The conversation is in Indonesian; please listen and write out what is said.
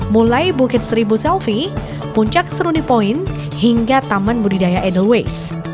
mulai bukit seribu selfie puncak seruni point hingga taman budidaya edelweiss